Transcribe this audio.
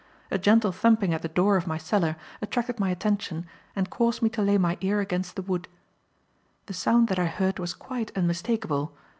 A gentle thumping at the door of my cellar attracted my attention and caused me to lay my ear against the wood. The sound that I heard was quite unmistakable.